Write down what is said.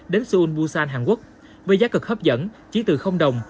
đến seoul busan hàn quốc với giá cực hấp dẫn chỉ từ đồng